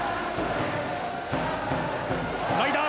スライダー！